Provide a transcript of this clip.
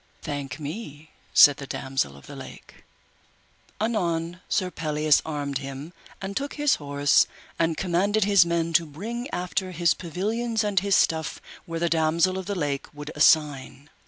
Thank me, said the Damosel of the Lake. Anon Sir Pelleas armed him, and took his horse, and commanded his men to bring after his pavilions and his stuff where the Damosel of the Lake would assign.